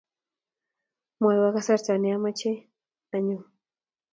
Mwaiwo kasarta ne mache anyo